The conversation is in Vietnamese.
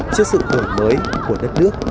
trước sự nổi mới của đất nước